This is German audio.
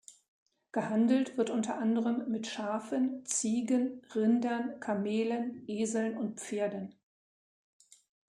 Gehandelt wird unter anderem mit Schafen, Ziegen, Rindern, Kamelen, Eseln und Pferden.